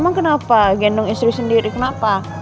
emang kenapa gendong istri sendiri kenapa